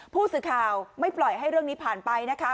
ผู้สื่อข่าวไม่ปล่อยให้เรื่องนี้ผ่านไปนะคะ